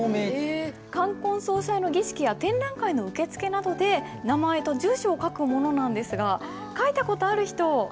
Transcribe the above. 冠婚葬祭の儀式や展覧会の受付などで名前と住所を書くものなんですが書いた事ある人。